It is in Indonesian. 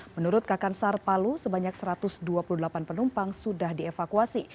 menurut kakansar palu sebanyak satu ratus dua puluh delapan penumpang sudah dievakuasi